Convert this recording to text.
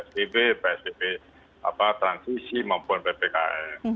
psbb psbb transisi maupun ppkm